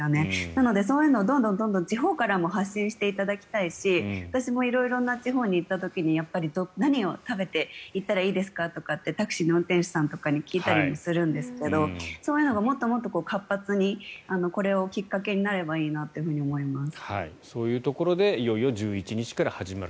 なのでそういうのをどんどん地方からも発信していただきたいし私も色々な地方に行った時に何を食べていったらいいですかとかってタクシーの運転手さんとかに聞いたりするんですけどそういうのがもっともっと活発にこれをきっかけになればいいなと思います。